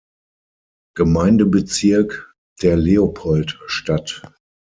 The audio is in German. Gemeindebezirk, der Leopoldstadt.